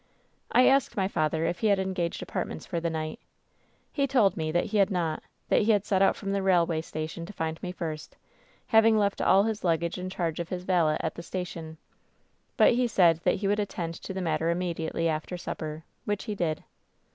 "I asked my father if he had engaged apartments for the night. "He told me that he had not ; that he had set out from the railway station to find me first, having left all his luggage in charge of his valet at the station. But he said that he would attend to the matter immediately after supper, which he did.